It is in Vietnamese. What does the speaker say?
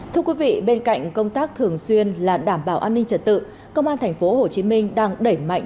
thưa quý vị bên cạnh công tác thường xuyên là đảm bảo an ninh trật tự công an tp hcm đang đẩy mạnh